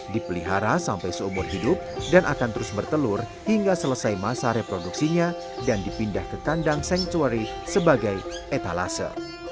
dipelihara sampai seumur hidup dan akan terus bertelur hingga selesai masa reproduksinya dan dipindah ke kandang sanctuary sebagai etalase